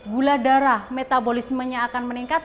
gula darah metabolismenya akan meningkat